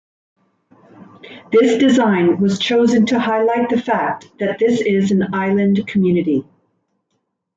This design was chosen to highlight the fact that this is an island community.